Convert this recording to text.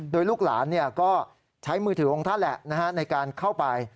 โดยลูกหลานก็ใช้มือถือของท่านแหละในการเข้าไป